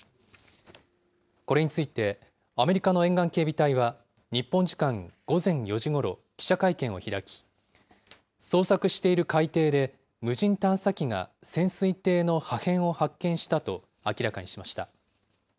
これについてアメリカの沿岸警備隊は、日本時間午前４時ごろ、記者会見を開き、捜索している海底で無人探査機が潜水艇の破片を発見したと明らかにしました。